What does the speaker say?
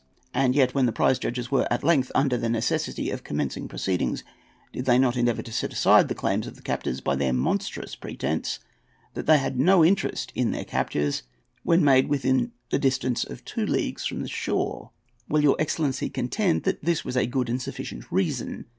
and yet when the prize judges were at length under the necessity of commencing proceedings, did they not endeavour to set aside the claims of the captors by the monstrous pretence that they had no interest in their captures when made within the distance of two leagues from the shore? Will your excellency contend that this was a good and sufficient reason?